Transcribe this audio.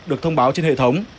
được thông báo trên hệ thống